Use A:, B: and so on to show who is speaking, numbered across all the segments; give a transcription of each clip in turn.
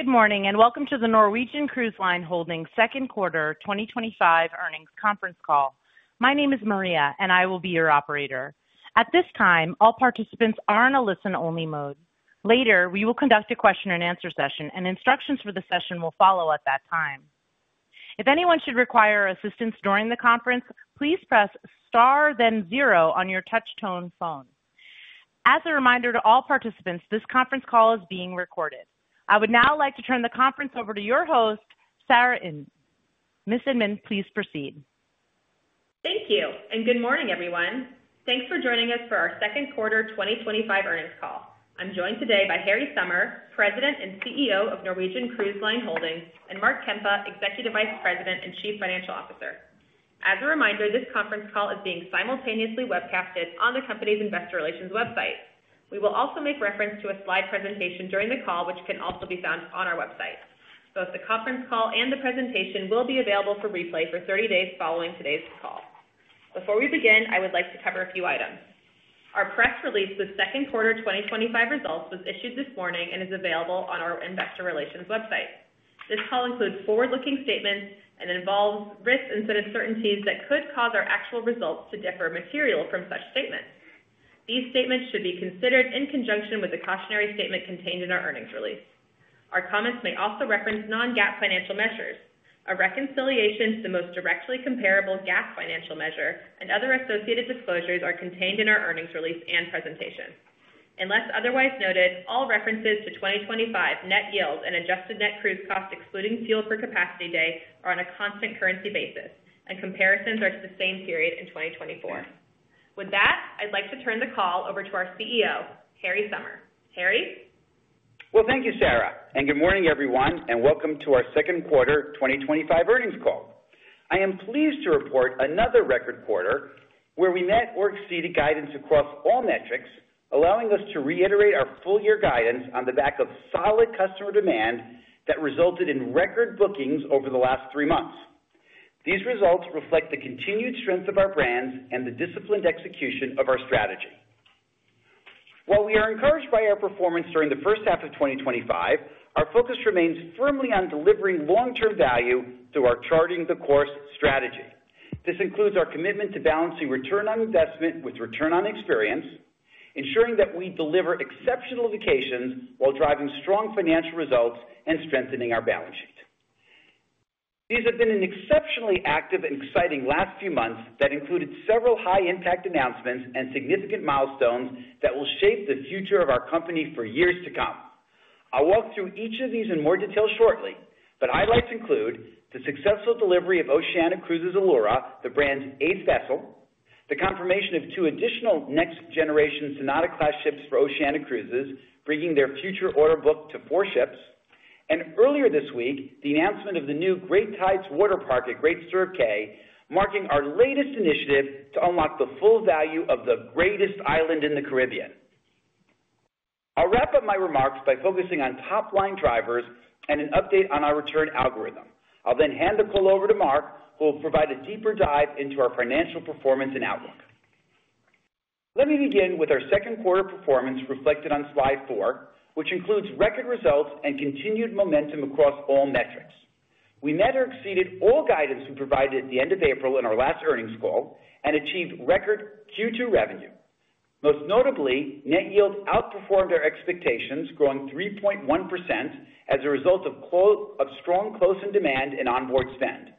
A: Good morning and welcome to the Norwegian Cruise Line Holdings second quarter 2025 earnings conference call. My name is Maria, and I will be your operator. At this time, all participants are in a listen-only mode. Later, we will conduct a question-and-answer session, and instructions for the session will follow at that time. If anyone should require assistance during the conference, please press star then zero on your touch-tone phone. As a reminder to all participants, this conference call is being recorded. I would now like to turn the conference over to your host, Sarah Inmon. Ms. Inmon, please proceed.
B: Thank you, and good morning, everyone. Thanks for joining us for our second quarter 2025 earnings call. I'm joined today by Harry Sommer, President and CEO of Norwegian Cruise Line Holdings, and Mark Kempa, Executive Vice President and Chief Financial Officer. As a reminder, this conference call is being simultaneously webcast on the Company's Investor Relations website. We will also make reference to a slide presentation during the call, which can also be found on our website. Both the conference call and the presentation will be available for replay for 30 days following today's call. Before we begin, I would like to cover a few items. Our press release with second quarter 2025 results was issued this morning and is available on our investor relations website. This call includes forward-looking statements and involves risks and uncertainties that could cause our actual results to differ materially from such statements. These statements should be considered in conjunction with the cautionary statement contained in our earnings release. Our comments may also reference non-GAAP financial measures. A reconciliation to the most directly comparable GAAP financial measure and other associated disclosures are contained in our earnings release and presentation. Unless otherwise noted, all references to 2025 net yield and Adjusted Net Cruise Cost, excluding Fuel per Capacity Day, are on a constant currency basis, and comparisons are to the same period in 2024. With that, I'd like to turn the call over to our CEO, Harry Sommer. Harry?
C: Thank you, Sarah, and good morning, everyone, and welcome to our second quarter 2025 earnings call. I am pleased to report another record quarter where we met or exceeded guidance across all metrics, allowing us to reiterate our full-year guidance on the back of solid customer demand that resulted in record bookings over the last three months. These results reflect the continued strength of our brands and the disciplined execution of our strategy. While we are encouraged by our performance during the first half of 2025, our focus remains firmly on delivering long-term value through our charting-the-course strategy. This includes our commitment to balancing return on investment with return on experience, ensuring that we deliver exceptional vacations while driving strong financial results and strengthening our balance sheet. These have been an exceptionally active and exciting last few months that included several high-impact announcements and significant milestones that will shape the future of our Company for years to come. I'll walk through each of these in more detail shortly, but highlights include the successful delivery of Oceania Cruises Allura, the brand's eighth vessel, the confirmation of two additional next-generation Sonata Class Ships for Oceania Cruises, bringing their future order book to four ships, and earlier this week, the announcement of the new Great Tides Waterpark at Great Stirrup Cay, marking our latest initiative to unlock the full value of the greatest island in the Caribbean. I'll wrap up my remarks by focusing on top-line drivers and an update on our return algorithm. I'll then hand the call over to Mark, who will provide a deeper dive into our financial performance and outlook. Let me begin with our second quarter performance reflected on slide four, which includes record results and continued momentum across all metrics. We met or exceeded all guidance we provided at the end of April in our last earnings call and achieved record Q2 revenue. Most notably, net yield outperformed our expectations, growing 3.1% as a result of strong close-in demand and onboard spend.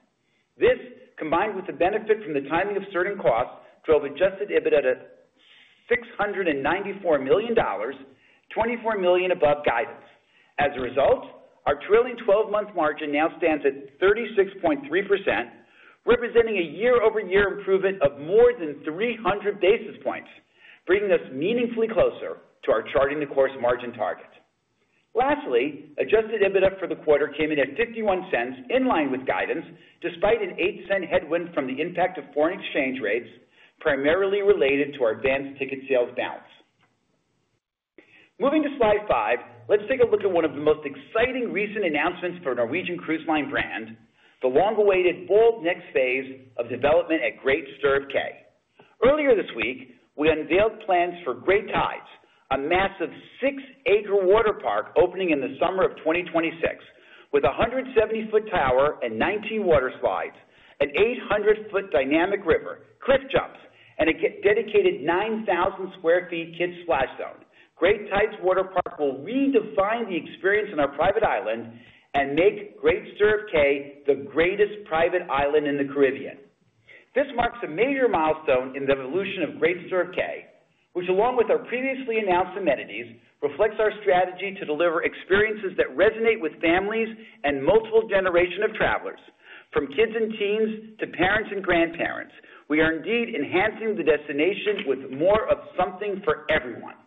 C: This, combined with the benefit from the timing of certain costs, drove Adjusted EBITDA to $694 million, $24 million above guidance. As a result, our trailing 12-month margin now stands at 36.3%, representing a year-over-year improvement of more than 300 basis points, bringing us meaningfully closer to our charting-the-course margin target. Lastly, Adjusted EBITDA for the quarter came in at $0.51, in line with guidance, despite a $0.08 headwind from the impact of foreign exchange rates, primarily related to our advanced ticket sales balance. Moving to slide five, let's take a look at one of the most exciting recent announcements for the Norwegian Cruise Line brand, the long-awaited bold next phase of development at Great Stirrup Cay. Earlier this week, we unveiled plans for Great Tides Waterpark, a massive six-acre waterpark opening in the summer of 2026, with a 170-ft tower and 19 water slides, an 800-ft dynamic river, cliff jumps, and a dedicated 9,000-sq-ft kids' splash zone. Great Tides Waterpark will redefine the experience on our private island and make Great Stirrup Cay the greatest private island in the Caribbean. This marks a major milestone in the evolution of Great Stirrup Cay, which, along with our previously announced amenities, reflects our strategy to deliver experiences that resonate with families and multiple generations of travelers. From kids and teens to parents and grandparents, we are indeed enhancing the destination with more of something for everyone.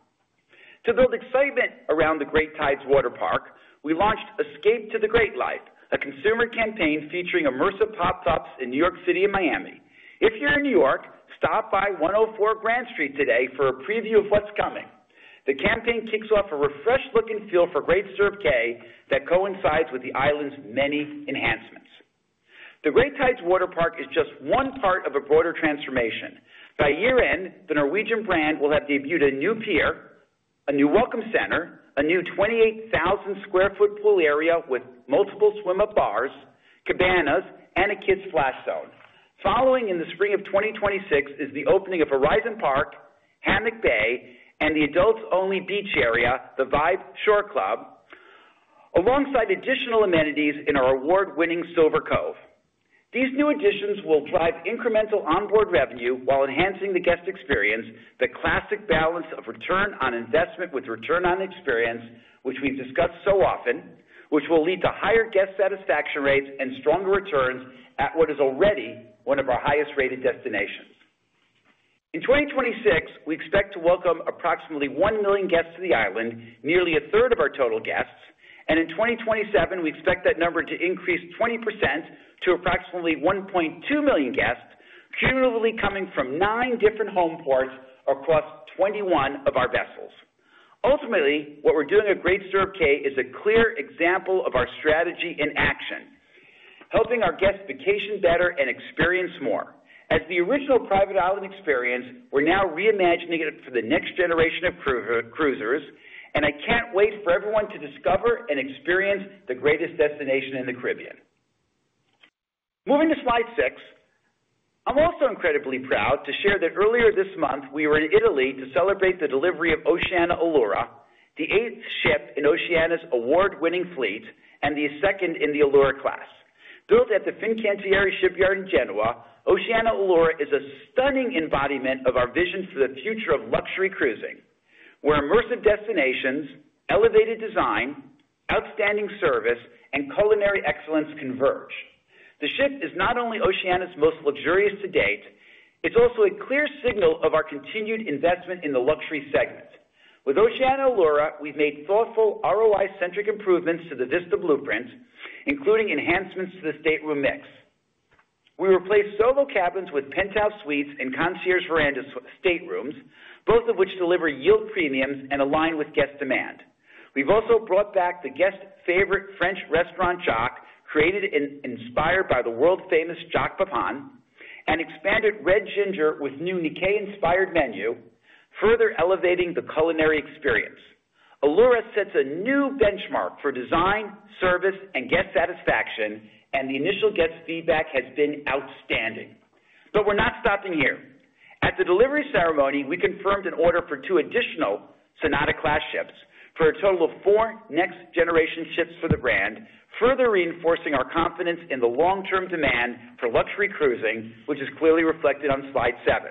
C: To build excitement around the Great Tides Waterpark, we launched Escape to the Great Life, a consumer campaign featuring immersive pop-ups in New York City and Miami. If you're in New York, stop by 104 Grand Street today for a preview of what's coming. The campaign kicks off a refreshed look and feel for Great Stirrup Cay that coincides with the island's many enhancements. The Great Tides Waterpark is just one part of a broader transformation. By year-end, the Norwegian brand will have debuted a new pier, a new welcome center, a new 28,000-sq-ft pool area with multiple swim-up bars, cabanas, and a kids' splash zone. Following in the spring of 2026 is the opening of Horizon Park, Hammock Bay, and the adults-only beach area, the Vibe Shore Club, alongside additional amenities in our award-winning Silver Cove. These new additions will drive incremental onboard revenue while enhancing the guest experience, the classic balance of return on investment with return on experience, which we've discussed so often, which will lead to higher guest satisfaction rates and stronger returns at what is already one of our highest-rated destinations. In 2026, we expect to welcome approximately 1 million guests to the island, nearly a third of our total guests, and in 2027, we expect that number to increase 20% to approximately 1.2 million guests, cumulatively coming from nine different home ports across 21 of our vessels. Ultimately, what we're doing at Great Stirrup Cay is a clear example of our strategy in action, helping our guests vacation better and experience more. As the original private island experience, we're now reimagining it for the next generation of cruisers, and I can't wait for everyone to discover and experience the greatest destination in the Caribbean. Moving to slide six, I'm also incredibly proud to share that earlier this month, we were in Italy to celebrate the delivery of Oceania Allura, the eighth ship in Oceania's award-winning fleet and the second in the Allura class. Built at the Fincantieri shipyard in Genoa, Oceania Allura is a stunning embodiment of our vision for the future of luxury cruising, where immersive destinations, elevated design, outstanding service, and culinary excellence converge. The ship is not only Oceania's most luxurious to date, it's also a clear signal of our continued investment in the luxury segment. With Oceania Allura, we've made thoughtful ROI-centric improvements to the Vista Blueprint, including enhancements to the stateroom mix. We replaced solo cabins with penthouse suites and concierge verandas for staterooms, both of which deliver yield premiums and align with guest demand. We've also brought back the guest-favorite French restaurant, Jacques, created and inspired by the world-famous Jacques Pépin, and expanded Red Ginger with a new Nikkei-inspired menu, further elevating the culinary experience. Allura sets a new benchmark for design, service, and guest satisfaction, and the initial guest feedback has been outstanding. At the delivery ceremony, we confirmed an order for two additional Sonata Class Ships for a total of four next-generation ships for the brand, further reinforcing our confidence in the long-term demand for luxury cruising, which is clearly reflected on slide seven.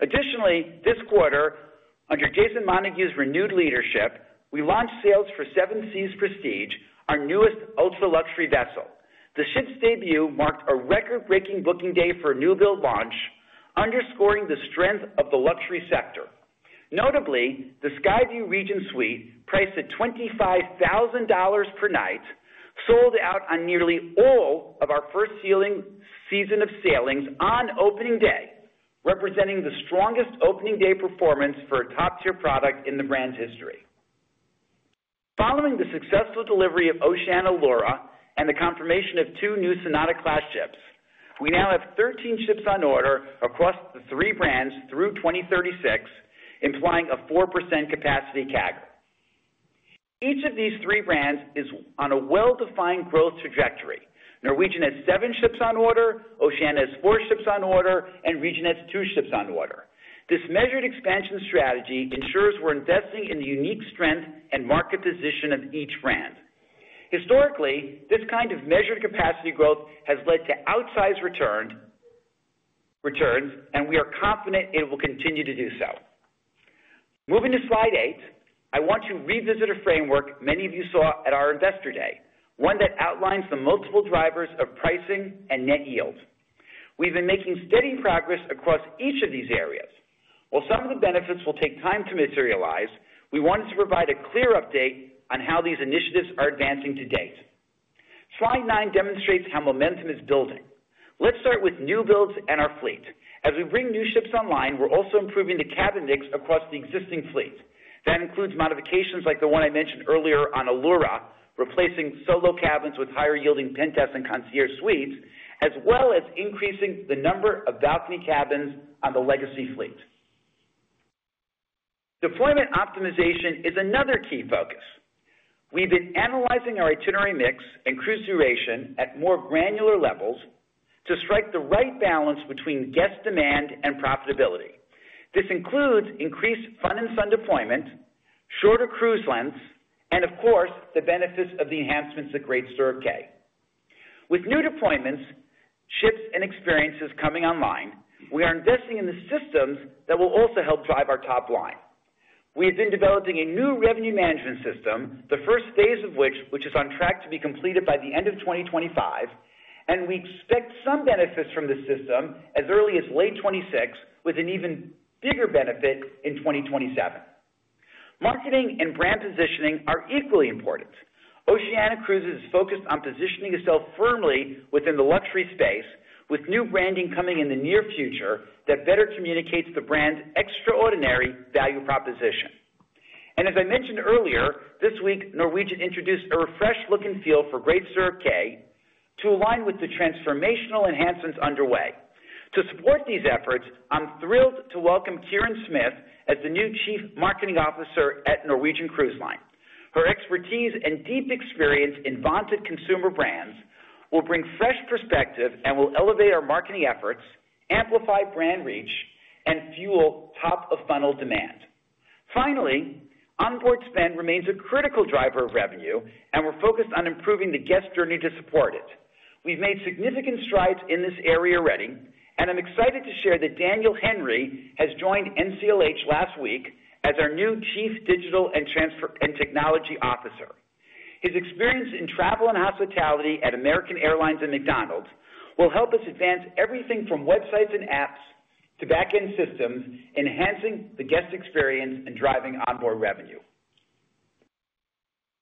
C: Additionally, this quarter, under Jason Montague's renewed leadership, we launched sales for Seven Seas Prestige, our newest ultra-luxury vessel. The ship's debut marked a record-breaking booking day for a new build launch, underscoring the strength of the luxury sector. Notably, the Skyview Regent Suite, priced at $25,000 per night, sold out on nearly all of our first-sailing season of sailings on opening day, representing the strongest opening-day performance for a top-tier product in the brand's history. Following the successful delivery of Oceania Allura and the confirmation of two new Sonata Class Ships, we now have 13 ships on order across the three brands through 2036, implying a 4% capacity CAGR. Each of these three brands is on a well-defined growth trajectory. Norwegian has seven ships on order, Oceania has four ships on order, and Regent has two ships on order. This measured expansion strategy ensures we're investing in the unique strength and market position of each brand. Historically, this kind of measured capacity growth has led to outsized returns, and we are confident it will continue to do so. Moving to slide eight, I want to revisit a framework many of you saw at our investor day, one that outlines the multiple drivers of pricing and net yield. We've been making steady progress across each of these areas. While some of the benefits will take time to materialize, we wanted to provide a clear update on how these initiatives are advancing to date. Slide nine demonstrates how momentum is building. Let's start with new builds and our fleet. As we bring new ships online, we're also improving the cabin mix across the existing fleet. That includes modifications like the one I mentioned earlier on Allura, replacing solo cabins with higher-yielding penthouse and concierge suites, as well as increasing the number of balcony cabins on the legacy fleet. Deployment optimization is another key focus. We've been analyzing our itinerary mix and cruise duration at more granular levels to strike the right balance between guest demand and profitability. This includes increased front-and-front deployment, shorter cruise lengths, and, of course, the benefits of the enhancements at Great Stirrup Cay. With new deployments, ships, and experiences coming online, we are investing in the systems that will also help drive our top line. We have been developing a new revenue management system, the first phase of which is on track to be completed by the end of 2025, and we expect some benefits from the system as early as late 2026, with an even bigger benefit in 2027. Marketing and brand positioning are equally important. Oceania Cruises is focused on positioning itself firmly within the luxury space, with new branding coming in the near future that better communicates the brand's extraordinary value proposition. As I mentioned earlier, this week, Norwegian introduced a refreshed look and feel for Great Stirrup Cay to align with the transformational enhancements underway. To support these efforts, I'm thrilled to welcome Kiran Smith as the new Chief Marketing Officer at Norwegian Cruise Line. Her expertise and deep experience in vaunted consumer brands will bring fresh perspective and will elevate our marketing efforts, amplify brand reach, and fuel top-of-funnel demand. Finally, onboard spend remains a critical driver of revenue, and we're focused on improving the guest journey to support it. We've made significant strides in this area already, and I'm excited to share that Daniel Henry has joined NCLH last week as our new Chief Digital and Technology Officer. His experience in travel and hospitality at American Airlines and McDonald's will help us advance everything from websites and apps to back-end systems, enhancing the guest experience and driving onboard revenue.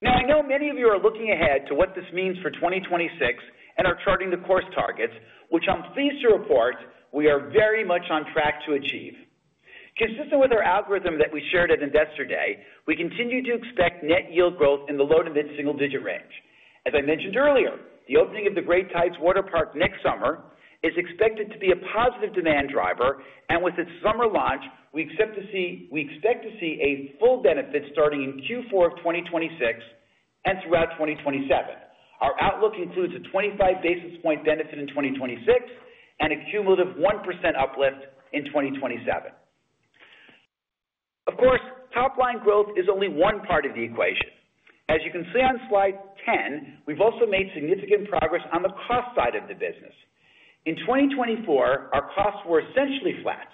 C: I know many of you are looking ahead to what this means for 2026 and our charting-the-course targets, which I'm pleased to report we are very much on track to achieve. Consistent with our algorithm that we shared at investor day, we continue to expect net yield growth in the low to mid-single-digit range. As I mentioned earlier, the opening of the Great Tides Waterpark next summer is expected to be a positive demand driver, and with its summer launch, we expect to see a full benefit starting in Q4 of 2026 and throughout 2027. Our outlook includes a 25 basis point benefit in 2026 and a cumulative 1% uplift in 2027. Of course, top-line growth is only one part of the equation. As you can see on slide 10, we've also made significant progress on the cost side of the business. In 2024, our costs were essentially flat,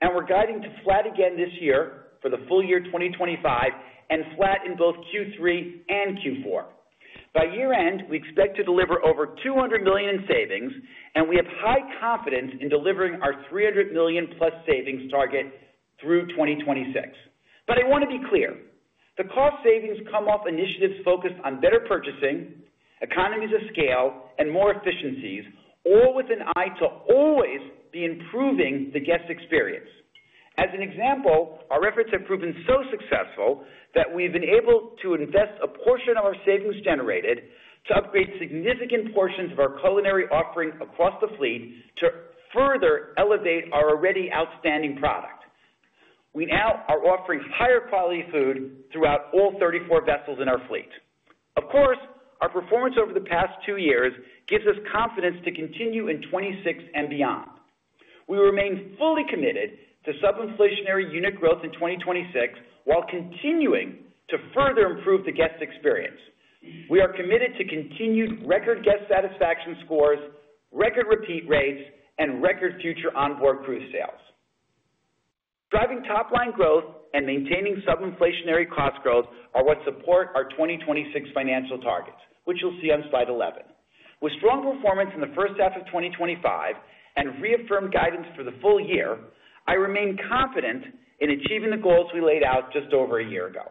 C: and we're guiding to flat again this year for the full year 2025 and flat in both Q3 and Q4. By year-end, we expect to deliver over $200 million in savings, and we have high confidence in delivering our $300 million-plus savings target through 2026. I want to be clear. The cost savings come off initiatives focused on better purchasing, economies of scale, and more efficiencies, all with an eye to always be improving the guest experience. As an example, our efforts have proven so successful that we've been able to invest a portion of our savings generated to upgrade significant portions of our culinary offering across the fleet to further elevate our already outstanding product. We now are offering higher-quality food throughout all 34 vessels in our fleet. Of course, our performance over the past two years gives us confidence to continue in 2026 and beyond. We remain fully committed to sub-inflationary unit cost growth in 2026 while continuing to further improve the guest experience. We are committed to continued record guest satisfaction scores, record repeat rates, and record future onboard cruise sales. Driving top-line growth and maintaining sub-inflationary cost growth are what support our 2026 financial targets, which you'll see on slide 11. With strong performance in the first half of 2025 and reaffirmed guidance for the full year, I remain confident in achieving the goals we laid out just over a year ago.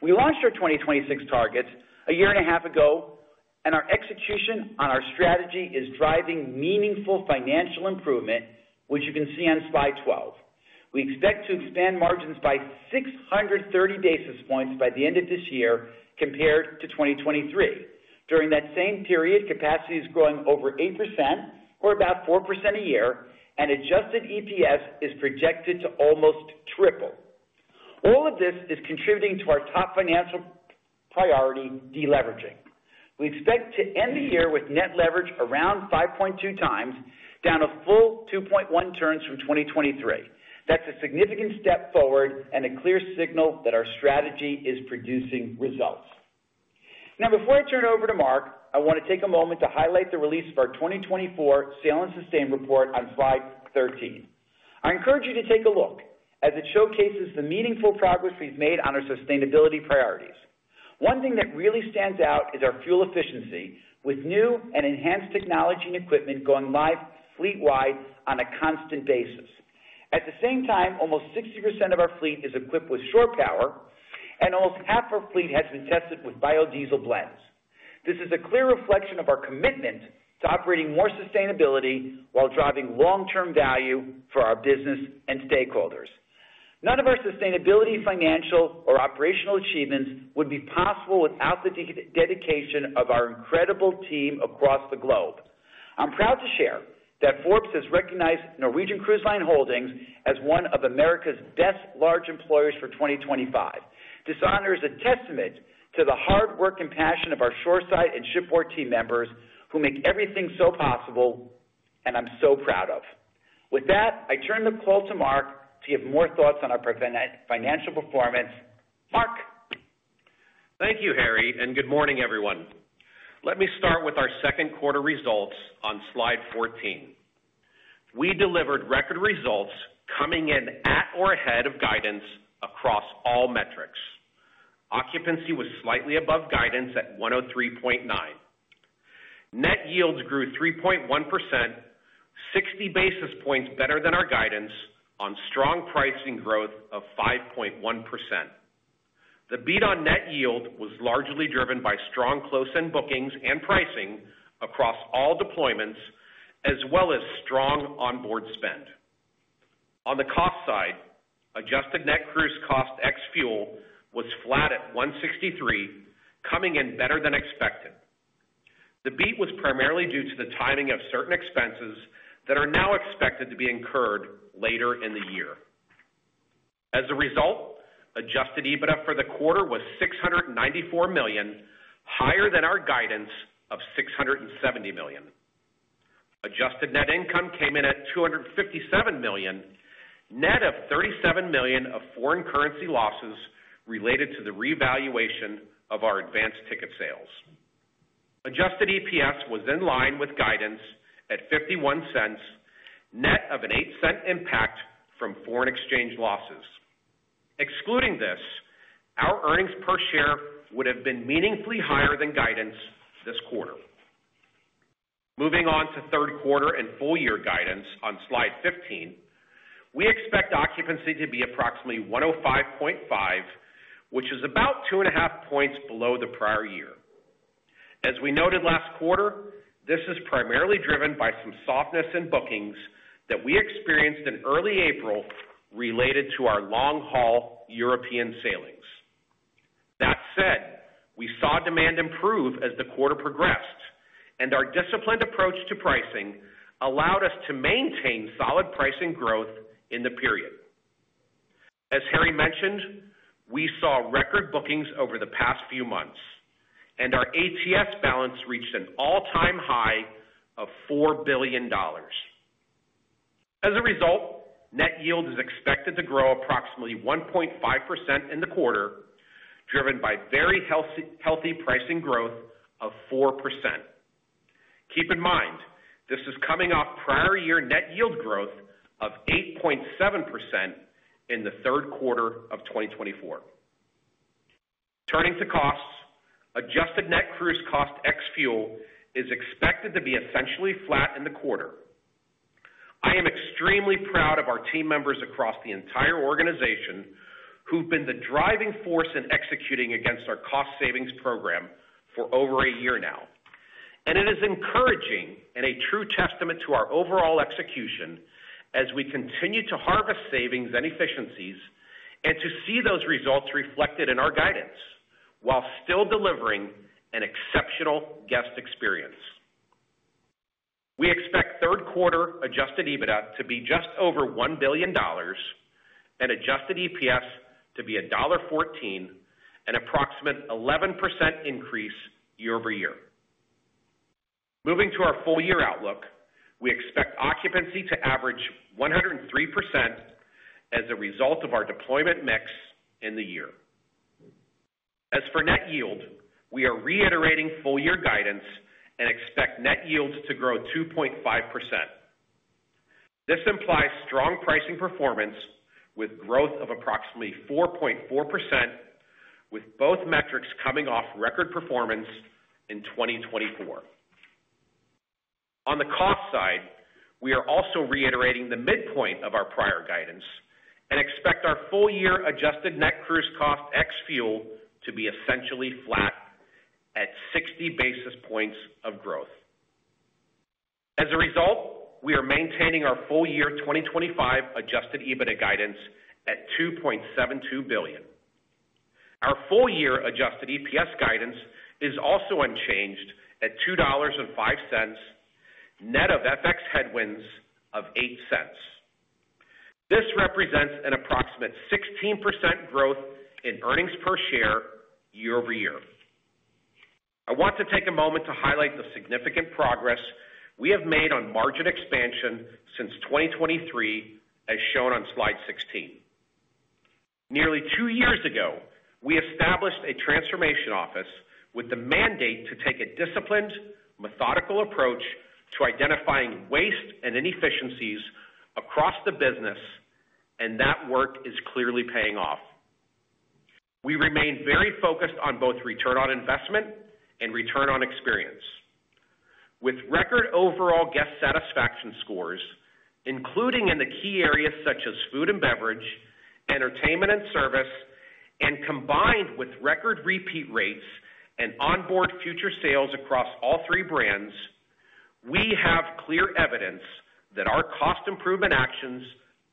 C: We launched our 2026 targets a year and a half ago, and our execution on our strategy is driving meaningful financial improvement, which you can see on slide 12. We expect to expand margins by 630 basis points by the end of this year compared to 2023. During that same period, capacity is growing over 8%, or about 4% a year, and Adjusted EPS is projected to almost triple. All of this is contributing to our top financial priority, deleveraging. We expect to end the year with Net Leverage around 5.2x, down a full 2.1 turns from 2023. That's a significant step forward and a clear signal that our strategy is producing results. Now, before I turn it over to Mark, I want to take a moment to highlight the release of our 2024 Sail and Sustain report on slide 13. I encourage you to take a look as it showcases the meaningful progress we've made on our sustainability priorities. One thing that really stands out is our fuel efficiency, with new and enhanced technology and equipment going live fleet-wide on a constant basis. At the same time, almost 60% of our fleet is equipped with shore power, and almost half our fleet has been tested with biodiesel blends. This is a clear reflection of our commitment to operating more sustainably while driving long-term value for our business and stakeholders. None of our sustainability, financial, or operational achievements would be possible without the dedication of our incredible team across the globe. I'm proud to share that Forbes has recognized Norwegian Cruise Line Holdings as one of America's best large employers for 2025. This honor is a testament to the hard work and passion of our shoreside and shipboard team members who make everything so possible, and I'm so proud of. With that, I turn the call to Mark to give more thoughts on our financial performance. Mark.
D: Thank you, Harry, and good morning, everyone. Let me start with our second-quarter results on slide 14. We delivered record results coming in at or ahead of guidance across all metrics. Occupancy was slightly above guidance at 103.9%. Net yields grew 3.1%, 60 basis points better than our guidance, on strong pricing growth of 5.1%. The beat on net yield was largely driven by strong close-in bookings and pricing across all deployments, as well as strong onboard spend. On the cost side, Adjusted Net Cruise Cost ex-fuel was flat at $163, coming in better than expected. The beat was primarily due to the timing of certain expenses that are now expected to be incurred later in the year. As a result, Adjusted EBITDA for the quarter was $694 million, higher than our guidance of $670 million. Adjusted Net Income came in at $257 million, net of $37 million of foreign currency losses related to the revaluation of our advanced ticket sales. Adjusted EPS was in line with guidance at $0.51, net of an $0.08 impact from foreign exchange losses. Excluding this, our earnings per share would have been meaningfully higher than guidance this quarter. Moving on to third-quarter and full-year guidance on slide 15, we expect occupancy to be approximately 105.5%, which is about two and a half points below the prior year. As we noted last quarter, this is primarily driven by some softness in bookings that we experienced in early April related to our long-haul European sailings. That said, we saw demand improve as the quarter progressed, and our disciplined approach to pricing allowed us to maintain solid pricing growth in the period. As Harry mentioned, we saw record bookings over the past few months, and our ATS balance reached an all-time high of $4 billion. As a result, net yield is expected to grow approximately 1.5% in the quarter, driven by very healthy pricing growth of 4%. Keep in mind, this is coming off prior-year net yield growth of 8.7% in the third quarter of 2024. Turning to costs, Adjusted Net Cruise Cost ex-fuel is expected to be essentially flat in the quarter. I am extremely proud of our team members across the entire organization who've been the driving force in executing against our cost savings program for over a year now. It is encouraging and a true testament to our overall execution as we continue to harvest savings and efficiencies and to see those results reflected in our guidance while still delivering an exceptional guest experience. We expect third-quarter Adjusted EBITDA to be just over $1 billion. Adjusted EPS is expected to be $1.14, an approximate 11% increase year-over-year. Moving to our full-year outlook, we expect occupancy to average 103% as a result of our deployment mix in the year. As for net yield, we are reiterating full-year guidance and expect net yields to grow 2.5%. This implies strong pricing performance with growth of approximately 4.4%, with both metrics coming off record performance in 2024. On the cost side, we are also reiterating the midpoint of our prior guidance and expect our full-year Adjusted Net Cruise Cost ex-fuel to be essentially flat at 60 basis points of growth. As a result, we are maintaining our full-year 2025 Adjusted EBITDA guidance at $2.72 billion. Our full-year Adjusted EPS guidance is also unchanged at $2.05, net of FX headwinds of $0.08. This represents an approximate 16% growth in earnings per share year-over-year. I want to take a moment to highlight the significant progress we have made on margin expansion since 2023, as shown on slide 16. Nearly two years ago, we established a transformation office with the mandate to take a disciplined, methodical approach to identifying waste and inefficiencies across the business, and that work is clearly paying off. We remain very focused on both return on investment and return on experience. With record overall guest satisfaction scores, including in the key areas such as food and beverage, entertainment and service, and combined with record repeat rates and onboard future sales across all three brands, we have clear evidence that our cost improvement actions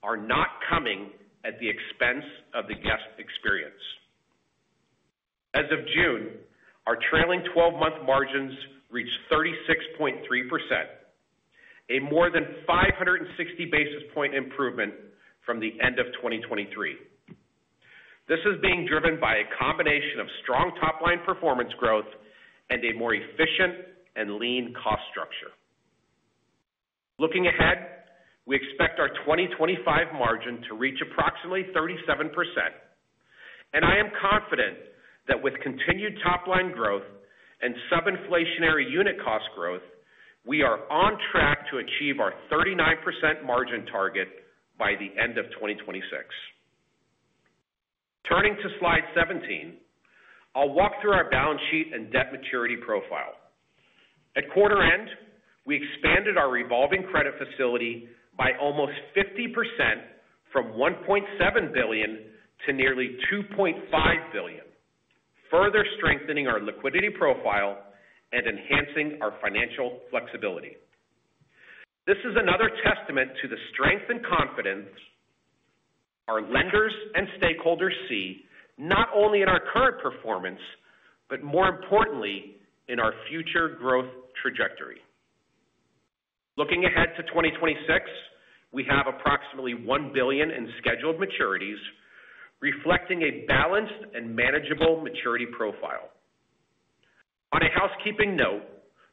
D: are not coming at the expense of the guest experience. As of June, our trailing 12-month margins reached 36.3%, a more than 560 basis point improvement from the end of 2023. This is being driven by a combination of strong top-line performance growth and a more efficient and lean cost structure. Looking ahead, we expect our 2025 margin to reach approximately 37%. I am confident that with continued top-line growth and sub-inflationary unit cost growth, we are on track to achieve our 39% margin target by the end of 2026. Turning to slide 17, I'll walk through our balance sheet and debt maturity profile. At quarter end, we expanded our revolving credit facility by almost 50% from $1.7 billion to nearly $2.5 billion, further strengthening our liquidity profile and enhancing our financial flexibility. This is another testament to the strength and confidence our lenders and stakeholders see, not only in our current performance, but more importantly, in our future growth trajectory. Looking ahead to 2026, we have approximately $1 billion in scheduled maturities, reflecting a balanced and manageable maturity profile. On a housekeeping note,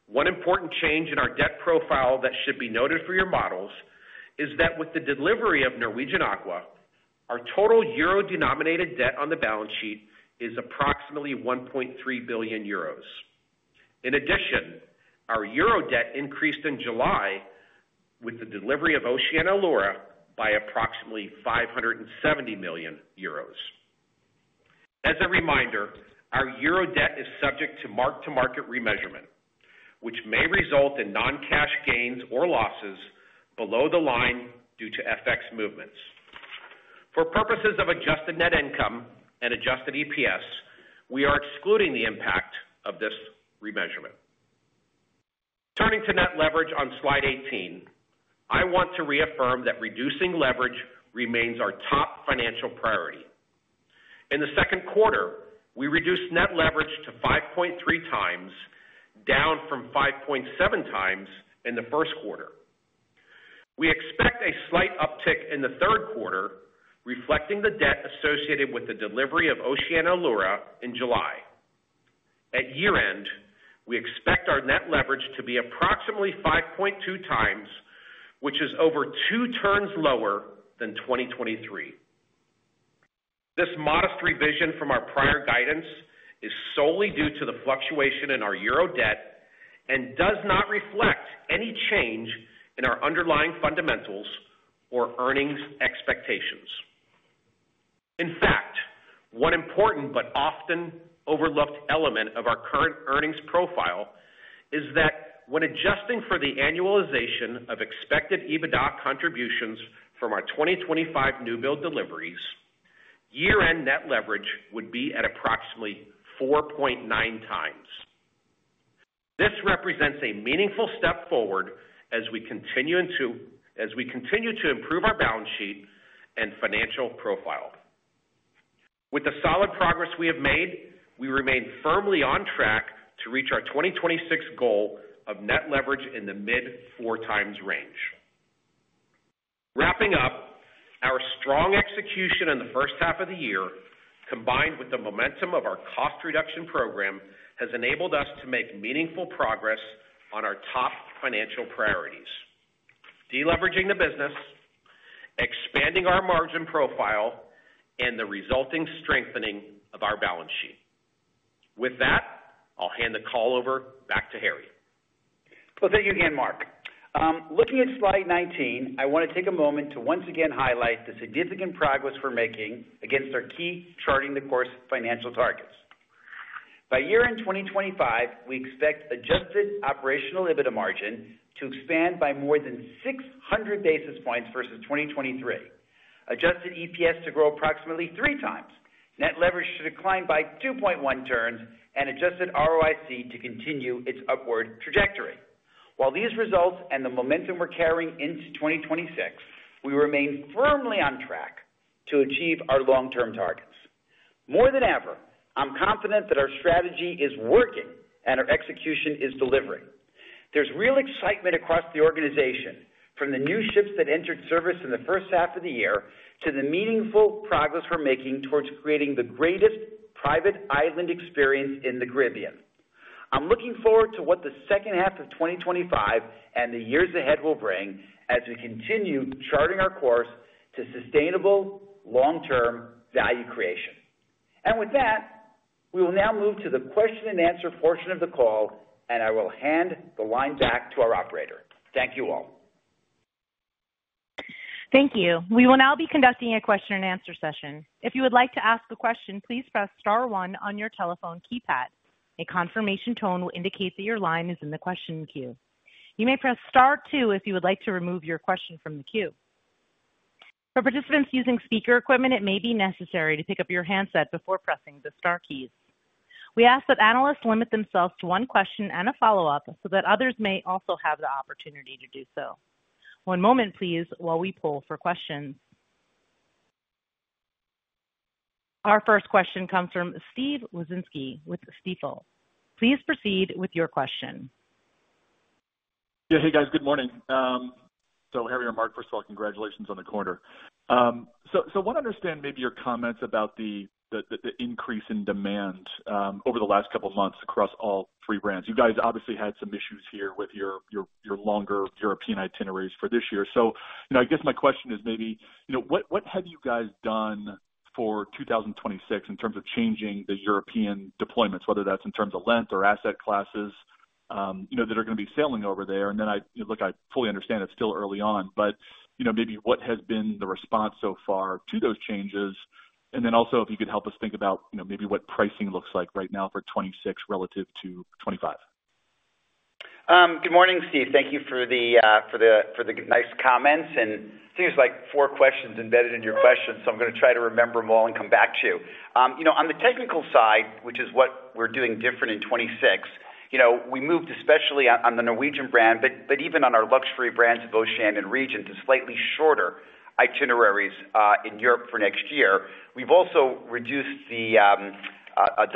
D: one important change in our debt profile that should be noted for your models is that with the delivery of Norwegian Aqua, our total euro-denominated debt on the balance sheet is approximately 1.3 billion euros. In addition, our euro debt increased in July with the delivery of Oceania Allura by approximately 570 million euros. As a reminder, our euro debt is subject to mark-to-market remeasurement, which may result in non-cash gains or losses below the line due to FX movements. For purposes of Adjusted Net Income and Adjusted EPS, we are excluding the impact of this remeasurement. Turning to Net Leverage on slide 18, I want to reaffirm that reducing leverage remains our top financial priority. In the second quarter, we reduced Net Leverage to 5.3x, down from 5.7x in the first quarter. We expect a slight uptick in the third quarter, reflecting the debt associated with the delivery of Oceania Allura in July. At year-end, we expect our Net Leverage to be approximately 5.2x, which is over two turns lower than 2023. This modest revision from our prior guidance is solely due to the fluctuation in our euro debt and does not reflect any change in our underlying fundamentals or earnings expectations. In fact, one important but often overlooked element of our current earnings profile is that when adjusting for the annualization of expected EBITDA contributions from our 2025 new build deliveries, year-end Net Leverage would be at approximately 4.9x. This represents a meaningful step forward as we continue to improve our balance sheet and financial profile. With the solid progress we have made, we remain firmly on track to reach our 2026 goal of net leverage in the mid-4x range. Wrapping up, our strong execution in the first half of the year, combined with the momentum of our cost reduction program, has enabled us to make meaningful progress on our top financial priorities: deleveraging the business, expanding our margin profile, and the resulting strengthening of our balance sheet. With that, I'll hand the call back to Harry.
C: Thank you again, Mark. Looking at slide 19, I want to take a moment to once again highlight the significant progress we're making against our key charting-the-course financial targets. By year-end 2025, we expect Adjusted Operational EBITDA margin to expand by more than 600 basis points versus 2023, Adjusted EPS to grow approximately 3x, net leverage to decline by 2.1 turns, and adjusted ROIC to continue its upward trajectory. With these results and the momentum we're carrying into 2026, we remain firmly on track to achieve our long-term targets. More than ever, I'm confident that our strategy is working and our execution is delivering. There's real excitement across the organization from the new ships that entered service in the first half of the year to the meaningful progress we're making towards creating the greatest private island experience in the Caribbean. I'm looking forward to what the second half of 2025 and the years ahead will bring as we continue charting our course to sustainable long-term value creation. We will now move to the question-and-answer portion of the call, and I will hand the line back to our operator. Thank you all.
A: Thank you. We will now be conducting a question-and-answer session. If you would like to ask a question, please press star one on your telephone keypad. A confirmation tone will indicate that your line is in the question queue. You may press star two if you would like to remove your question from the queue. For participants using speaker equipment, it may be necessary to pick up your handset before pressing the star keys. We ask that analysts limit themselves to one question and a follow-up so that others may also have the opportunity to do so. One moment, please, while we pull for questions. Our first question comes from Steve Wieczynski with Stifel. Please proceed with your question.
E: Yeah, hey guys, good morning. So Harry or Mark, first of all, congratulations on the quarter. I want to understand maybe your comments about the increase in demand over the last couple of months across all three brands. You guys obviously had some issues here with your longer European itineraries for this year. I guess my question is maybe what have you guys done for 2026 in terms of changing the European deployments, whether that's in terms of length or asset classes that are going to be sailing over there? I fully understand it's still early on, but maybe what has been the response so far to those changes? Also, if you could help us think about maybe what pricing looks like right now for 2026 relative to 2025.
C: Good morning, Steve. Thank you for the nice comments. It seems like four questions embedded in your questions, so I'm going to try to remember them all and come back to you. On the technical side, which is what we're doing different in 2026, we moved, especially on the Norwegian brand, but even on our luxury brands of Oceania and Regent, to slightly shorter itineraries in Europe for next year. We've also reduced the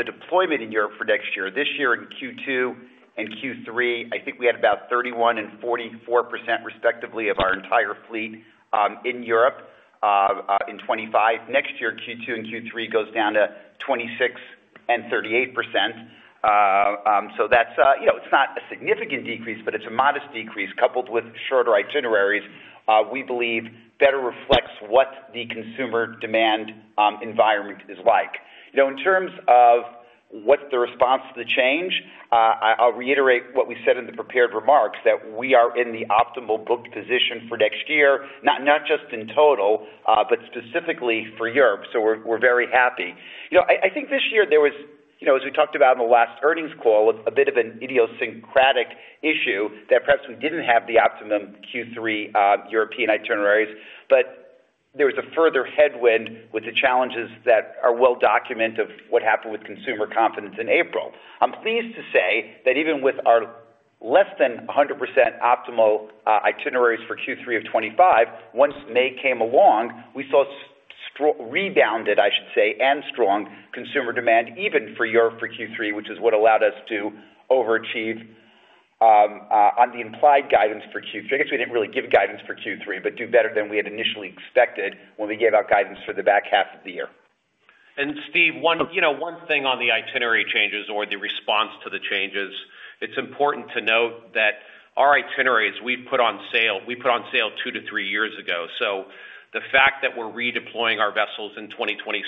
C: deployment in Europe for next year. This year, in Q2 and Q3, I think we had about 31% and 44% respectively of our entire fleet in Europe. In 2025, next year, Q2 and Q3 goes down to 26% and 38%. It's not a significant decrease, but it's a modest decrease coupled with shorter itineraries. We believe this better reflects what the consumer demand environment is like. In terms of what's the response to the change, I'll reiterate what we said in the prepared remarks, that we are in the optimal booked position for next year, not just in total, but specifically for Europe. We're very happy. I think this year there was, as we talked about in the last earnings call, a bit of an idiosyncratic issue that perhaps we didn't have the optimum Q3 European itineraries, but there was a further headwind with the challenges that are well documented of what happened with consumer confidence in April. I'm pleased to say that even with our less than 100% optimal itineraries for Q3 of 2025, once May came along, we saw rebounded, I should say, and strong consumer demand, even for Europe for Q3, which is what allowed us to overachieve on the implied guidance for Q3. I guess we didn't really give guidance for Q3, but do better than we had initially expected when we gave out guidance for the back half of the year.
D: Steve, one thing on the itinerary changes or the response to the changes, it's important to note that our itineraries, we put on sale 2-3 years ago. The fact that we're redeploying our vessels in 2026,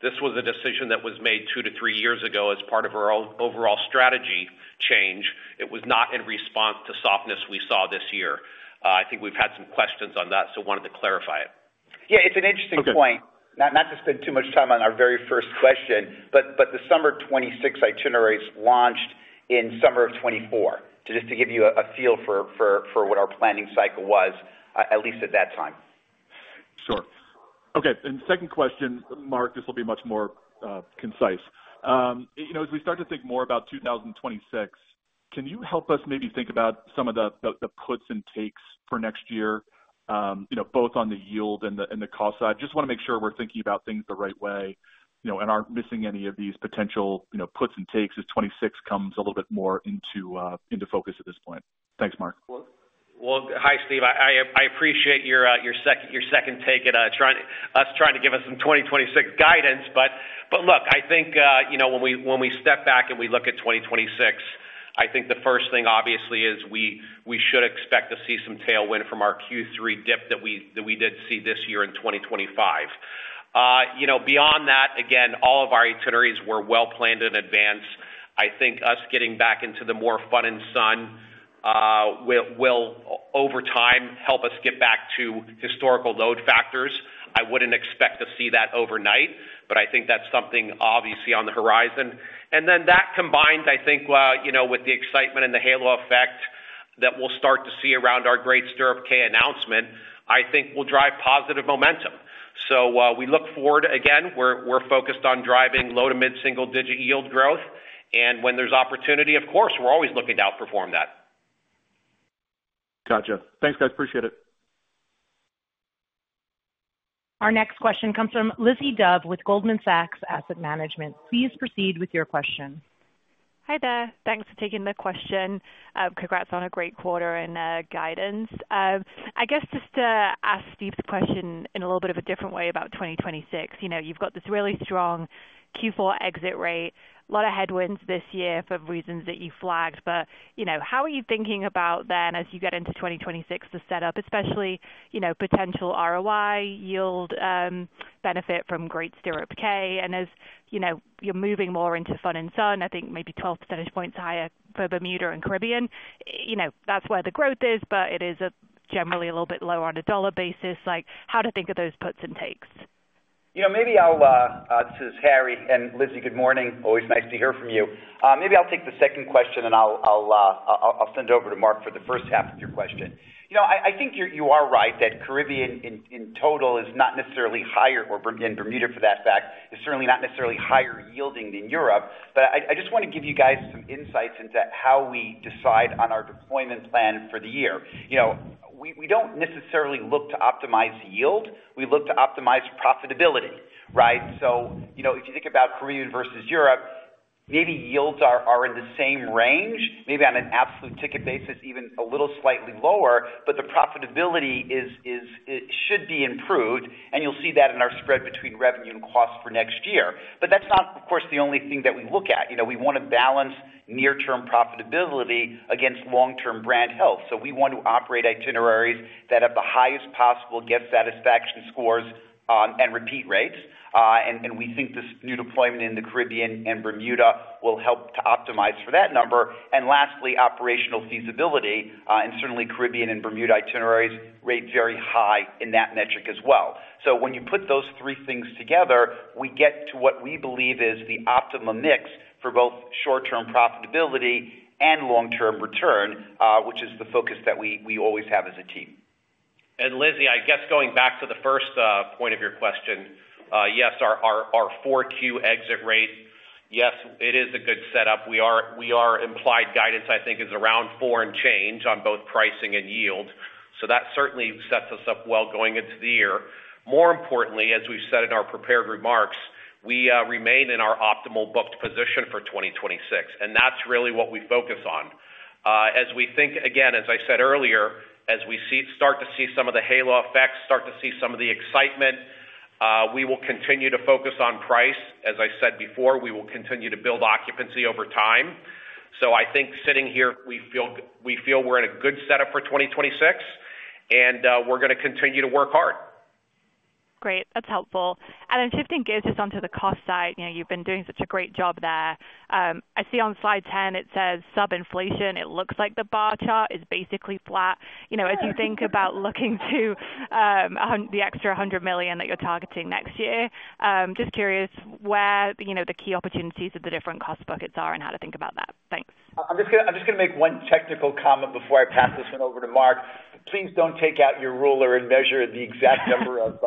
D: this was a decision that was made 2-3 years ago as part of our overall strategy change. It was not in response to softness we saw this year. I think we've had some questions on that, so I wanted to clarify it.
C: It's an interesting point. Not to spend too much time on our very first question, but the summer 2026 itineraries launched in summer of 2024, just to give you a feel for what our planning cycle was, at least at that time.
E: Sure. Okay. Second question, Mark, this will be much more concise. As we start to think more about 2026, can you help us maybe think about some of the puts and takes for next year, both on the yield and the cost side? Just want to make sure we're thinking about things the right way and aren't missing any of these potential puts and takes as 2026 comes a little bit more into focus at this point. Thanks, Mark.
D: Hi, Steve. I appreciate your second take at us trying to give us some 2026 guidance. I think when we step back and we look at 2026, the first thing, obviously, is we should expect to see some tailwind from our Q3 dip that we did see this year in 2025. Beyond that, again, all of our itineraries were well planned in advance. I think us getting back into the more fun and sun will, over time, help us get back to historical load factors. I wouldn't expect to see that overnight, but I think that's something obviously on the horizon. That combined, I think, with the excitement and the halo effect that we'll start to see around our Great Stirrup Cay announcement, I think will drive positive momentum. We look forward, again, we're focused on driving low to mid-single-digit yield growth. When there's opportunity, of course, we're always looking to outperform that.
E: Gotcha. Thanks, guys. Appreciate it.
A: Our next question comes from Lizzie Dove with Goldman Sachs Asset Management. Please proceed with your question.
F: Hi there. Thanks for taking the question. Congrats on a great quarter and guidance. I guess just to ask Steve's question in a little bit of a different way about 2026. You've got this really strong Q4 exit rate, a lot of headwinds this year for reasons that you flagged. How are you thinking about then as you get into 2026 to set up, especially potential ROI, yield, benefit from Great Stirrup Cay? As you're moving more into fun and sun, I think maybe 12% higher for Bermuda and Caribbean, that's where the growth is, but it is generally a little bit lower on a dollar basis. How to think of those puts and takes?
C: This is Harry and Lizzie. Good morning. Always nice to hear from you. Maybe I'll take the second question and I'll send it over to Mark for the first half of your question. I think you are right that Caribbean in total is not necessarily higher, or again, Bermuda for that fact, is certainly not necessarily higher yielding than Europe. I just want to give you guys some insights into how we decide on our deployment plan for the year. We don't necessarily look to optimize yield. We look to optimize profitability, right? If you think about Caribbean versus Europe, maybe yields are in the same range, maybe on an absolute ticket basis, even a little slightly lower, but the profitability should be improved. You'll see that in our spread between revenue and cost for next year. That's not, of course, the only thing that we look at. We want to balance near-term profitability against long-term brand health. We want to operate itineraries that have the highest possible guest satisfaction scores and repeat rates. We think this new deployment in the Caribbean and Bermuda will help to optimize for that number. Lastly, operational feasibility, and certainly Caribbean and Bermuda itineraries rate very high in that metric as well. When you put those three things together, we get to what we believe is the optimum mix for both short-term profitability and long-term return, which is the focus that we always have as a team.
D: Lizzie, I guess going back to the first point of your question, yes, our 4Q exit rate, yes, it is a good setup. Our implied guidance, I think, is around four and change on both pricing and yield. That certainly sets us up well going into the year. More importantly, as we've said in our prepared remarks, we remain in our optimal booked position for 2026. That's really what we focus on. As we think, again, as I said earlier, as we start to see some of the halo effects, start to see some of the excitement, we will continue to focus on price. As I said before, we will continue to build occupancy over time. I think sitting here, we feel we're in a good setup for 2026, and we're going to continue to work hard.
F: Great, that's helpful. Then shifting gears just onto the cost side, you've been doing such a great job there. I see on slide 10, it says sub-inflation. It looks like the bar chart is basically flat. As you think about looking to the extra $100 million that you're targeting next year, just curious where the key opportunities of the different cost buckets are and how to think about that. Thanks.
C: I'm just going to make one technical comment before I pass this one over to Mark. Please don't take out your ruler and measure the exact number of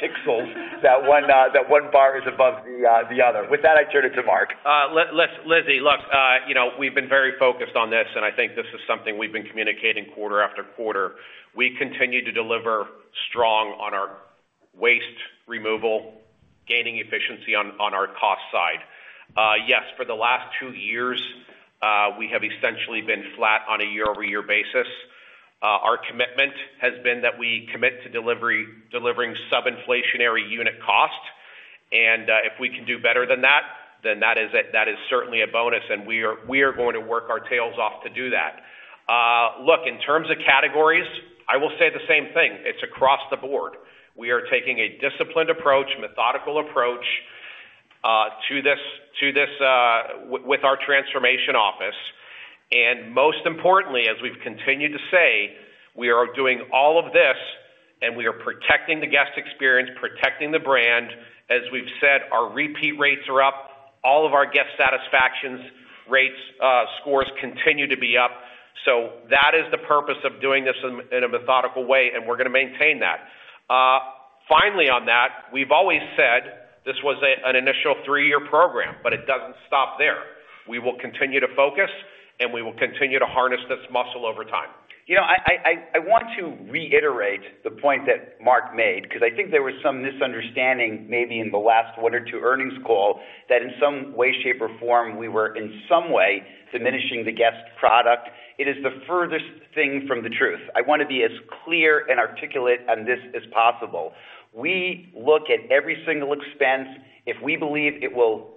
C: pixels that one bar is above the other. With that, I turn it to Mark.
D: Lizzie, look, we've been very focused on this, and I think this is something we've been communicating quarter after quarter. We continue to deliver strong on our waste removal, gaining efficiency on our cost side. Yes, for the last two years, we have essentially been flat on a year-over-year basis. Our commitment has been that we commit to delivering sub-inflationary unit cost, and if we can do better than that, then that is certainly a bonus, and we are going to work our tails off to do that. In terms of categories, I will say the same thing. It's across the board. We are taking a disciplined approach, methodical approach to this with our transformation office. Most importantly, as we've continued to say, we are doing all of this, and we are protecting the guest experience, protecting the brand. As we've said, our repeat rates are up. All of our guest satisfaction scores continue to be up. That is the purpose of doing this in a methodical way, and we're going to maintain that. Finally, on that, we've always said this was an initial three-year program, but it doesn't stop there. We will continue to focus, and we will continue to harness this muscle over time.
C: I want to reiterate the point that Mark made because I think there was some misunderstanding maybe in the last one or two earnings calls that in some way, shape, or form, we were in some way diminishing the guest product. It is the furthest thing from the truth. I want to be as clear and articulate on this as possible. We look at every single expense. If we believe it will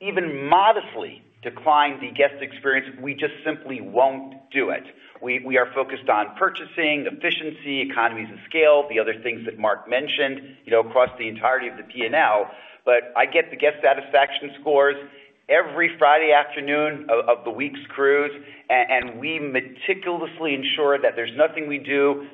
C: even modestly decline the guest experience, we just simply won't do it. We are focused on purchasing, efficiency, economies of scale, the other things that Mark mentioned across the entirety of the P&L. I get the guest satisfaction scores every Friday afternoon of the week's cruise, and we meticulously ensure that there's nothing we do,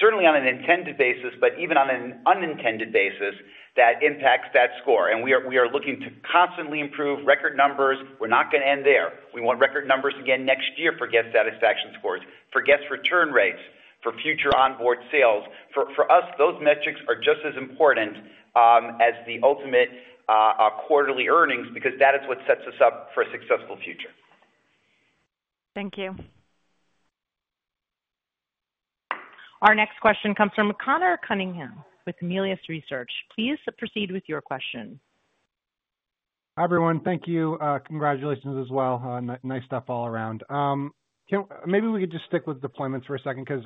C: certainly on an intended basis, but even on an unintended basis, that impacts that score. We are looking to constantly improve record numbers. We're not going to end there. We want record numbers again next year for guest satisfaction scores, for guest return rates, for future onboard sales. For us, those metrics are just as important as the ultimate quarterly earnings because that is what sets us up for a successful future.
F: Thank you.
A: Our next question comes from Conor Cunningham with Melius Research. Please proceed with your question.
G: Hi, everyone. Thank you. Congratulations as well. Nice stuff all around. Maybe we could just stick with deployments for a second because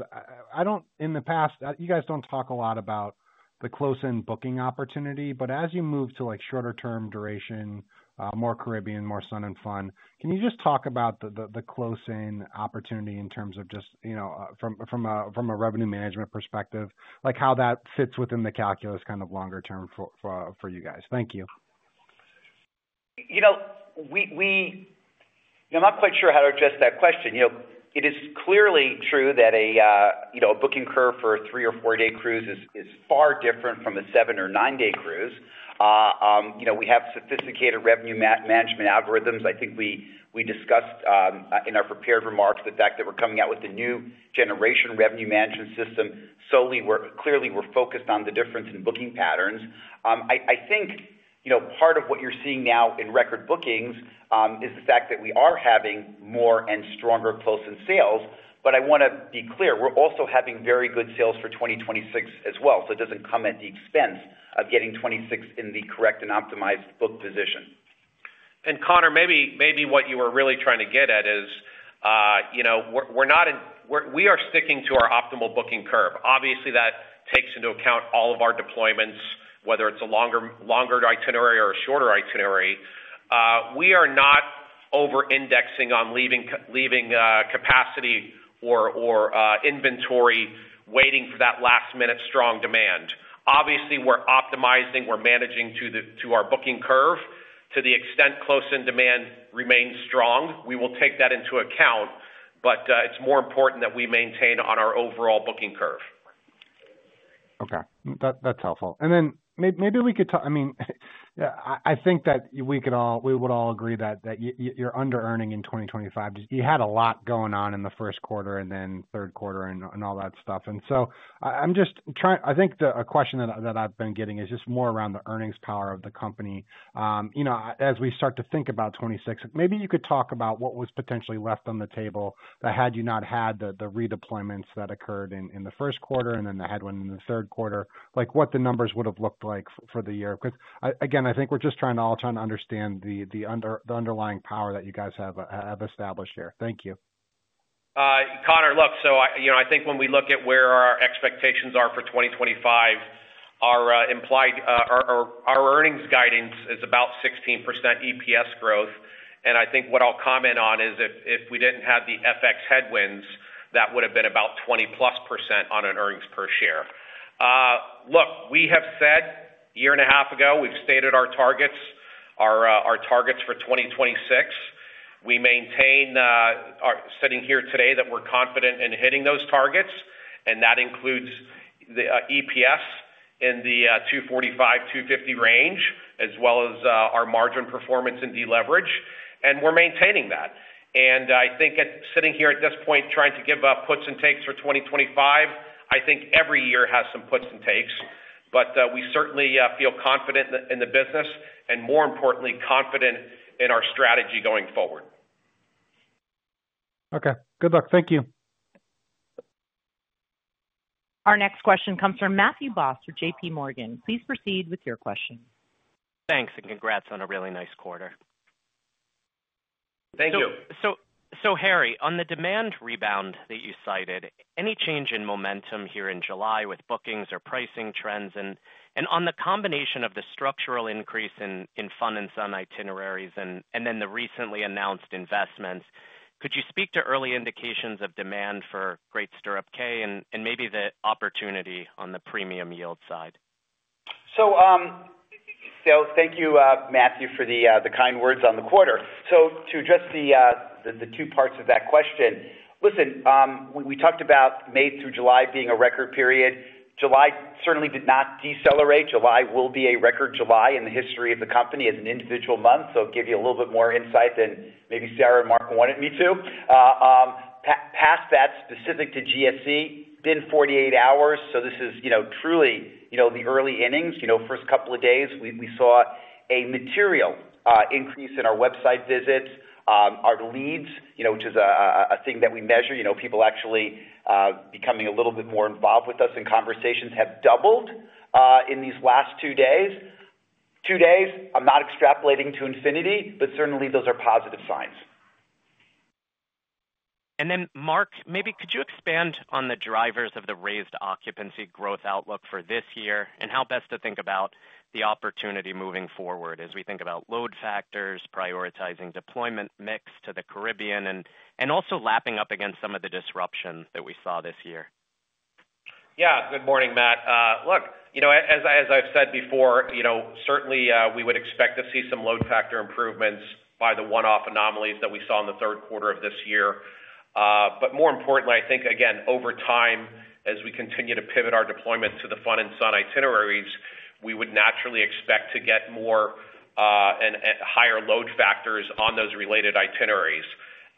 G: in the past, you guys don't talk a lot about the close-in booking opportunity. As you move to shorter-term duration, more Caribbean, more sun and fun, can you just talk about the close-in opportunity in terms of just from a revenue management perspective, how that fits within the calculus kind of longer term for you guys? Thank you.
C: I'm not quite sure how to address that question. It is clearly true that a booking curve for a three or four-day cruise is far different from a seven or nine-day cruise. We have sophisticated revenue management algorithms. I think we discussed in our prepared remarks the fact that we're coming out with a new generation revenue management system. Clearly, we're focused on the difference in booking patterns. I think part of what you're seeing now in record bookings is the fact that we are having more and stronger close-in sales. I want to be clear, we're also having very good sales for 2026 as well. It doesn't come at the expense of getting 2026 in the correct and optimized book position.
D: Conor, maybe what you were really trying to get at is we are sticking to our optimal booking curve. Obviously, that takes into account all of our deployments, whether it's a longer itinerary or a shorter itinerary. We are not over-indexing on leaving capacity or inventory waiting for that last-minute strong demand. Obviously, we're optimizing. We're managing to our booking curve to the extent close-in demand remains strong. We will take that into account, but it's more important that we maintain on our overall booking curve.
G: Okay. That's helpful. Maybe we could—I mean, I think that we would all agree that you're under-earning in 2025. You had a lot going on in the first quarter and then third quarter and all that stuff. I'm just trying—I think the question that I've been getting is just more around the earnings power of the Company. As we start to think about 2026, maybe you could talk about what was potentially left on the table that had you not had the redeployments that occurred in the first quarter and then the headwind in the third quarter, what the numbers would have looked like for the year. Because again, I think we're just trying to all understand the underlying power that you guys have established here. Thank you.
D: Connor, look, I think when we look at where our expectations are for 2025, our earnings guidance is about 16% EPS growth. I think what I'll comment on is if we didn't have the FX headwinds, that would have been about 20+% on an earnings per share. Look, we have said a year and a half ago, we've stated our targets for 2026. We maintain, sitting here today, that we're confident in hitting those targets. That includes the EPS in the $2.45, $2.50 range, as well as our margin performance and deleverage. We're maintaining that. I think sitting here at this point, trying to give up puts and takes for 2025, I think every year has some puts and takes. We certainly feel confident in the business and, more importantly, confident in our strategy going forward.
G: Okay. Good luck. Thank you.
A: Our next question comes from Matthew Boss with JPMorgan. Please proceed with your question.
H: Thanks. Congrats on a really nice quarter.
D: Thank you.
H: Harry, on the demand rebound that you cited, any change in momentum here in July with bookings or pricing trends? On the combination of the structural increase in fun and sun itineraries and then the recently announced investments, could you speak to early indications of demand for Great Stirrup Cay and maybe the opportunity on the premium yield side?
C: Thank you, Matthew, for the kind words on the quarter. To address the two parts of that question, listen, we talked about May through July being a record period. July certainly did not decelerate. July will be a record July in the history of the Company as an individual month. I'll give you a little bit more insight than maybe Sarah and Mark wanted me to. Past that, specific to GSC, been 48 hours. This is truly the early innings. First couple of days, we saw a material increase in our website visits. Our leads, which is a thing that we measure, people actually becoming a little bit more involved with us in conversations, have doubled in these last two days. Two days, I'm not extrapolating to infinity, but certainly those are positive signs.
H: Mark, maybe could you expand on the drivers of the raised occupancy growth outlook for this year and how best to think about the opportunity moving forward as we think about load factors, prioritizing deployment mix to the Caribbean, and also lapping up against some of the disruption that we saw this year?
D: Yeah. Good morning, Matt. As I've said before, certainly we would expect to see some load factor improvements by the one-off anomalies that we saw in the third quarter of this year. More importantly, I think, again, over time, as we continue to pivot our deployment to the fun and sun itineraries, we would naturally expect to get more and higher load factors on those related itineraries.